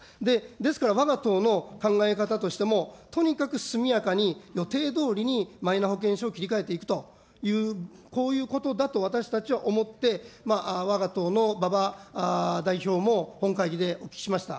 ですから、わが党の考え方としても、とにかく速やかに予定どおりにマイナ保険証を切り替えていくという、こういうことだと私たちは思って、わが党のばば代表も、本会議でお聞きしました。